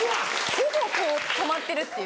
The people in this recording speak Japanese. ほぼこう止まってるっていうか。